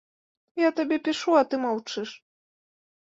Я табе пішу, а ты маўчыш.